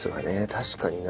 確かにね。